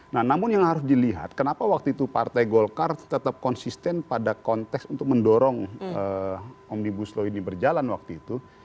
nah namun yang harus dilihat kenapa waktu itu partai golkar tetap konsisten pada konteks untuk mendorong omnibus law ini berjalan waktu itu